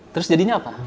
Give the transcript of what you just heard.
terus jadinya apa